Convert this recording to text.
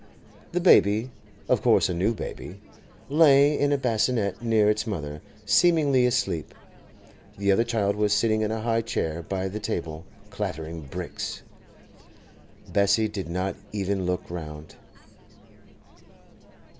The baby—of course a new baby—lay in a bassinette near its mother, seemingly asleep; the other child was sitting in a high chair by the table, clattering 'bricks.' Bessie did not even look round.